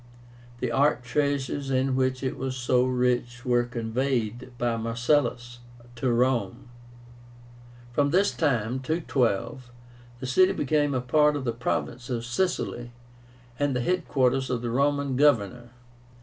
The art treasures in which it was so rich were conveyed by Marcellus to Rome. From this time (212) the city became a part of the province of Sicily and the head quarters of the Roman Governor.